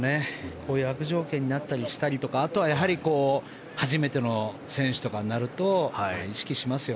こういう悪条件になったりあとは初めての選手とかになると意識しますよ。